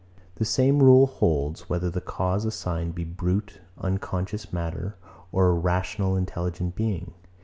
The same rule holds, whether the cause assigned be brute unconscious matter, or a rational intelligent being.